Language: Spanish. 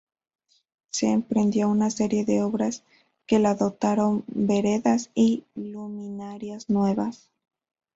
Se emprendió una serie de obras que la dotaron veredas y luminarias nuevas.